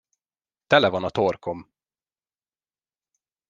Tele van a torkom.